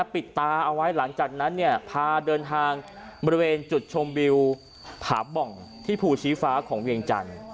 ปิดตาเอาไว้หลังจากนั้นเนี่ยพาเดินทางบริเวณจุดชมวิวผาบ่องที่ภูชีฟ้าของเวียงจันทร์